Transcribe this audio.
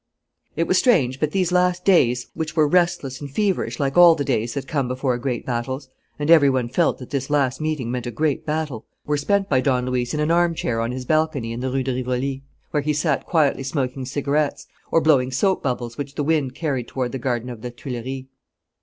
It was strange, but these last days, which were restless and feverish like all the days that come before great battles and every one felt that this last meeting meant a great battle were spent by Don Luis in an armchair on his balcony in the Rue de Rivoli, where he sat quietly smoking cigarettes, or blowing soap bubbles which the wind carried toward the garden of the Tuileries.